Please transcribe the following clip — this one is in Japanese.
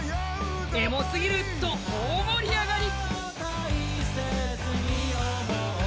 エモすぎると大盛り上がり。